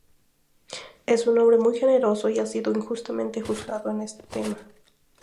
Es un hombre muy generoso y ha sido injustamente juzgado en este tema.